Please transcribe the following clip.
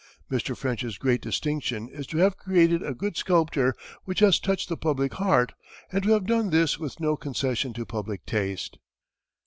Mr. French's great distinction is to have created good sculpture which has touched the public heart, and to have done this with no concession to public taste.